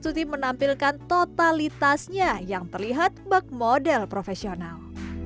suti menampilkan totalitasnya yang terlihat bag model profesional